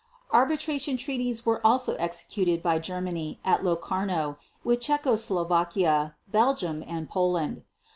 Arbitration treaties were also executed by Germany at Locarno with Czechoslovakia, Belgium, and Poland.